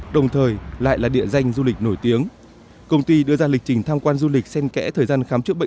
đồng thời là một nền y học phát triển trên thế giới